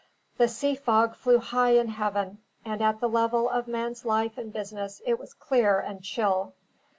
The sea fog flew high in heaven; and at the level of man's life and business it was clear and chill.